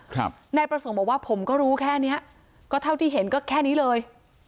นายประสงค์บอกว่าผมก็รู้แค่เนี้ยก็เท่าที่เห็นก็แค่นี้เลย